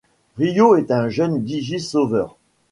Ryo est un jeune digisauveur.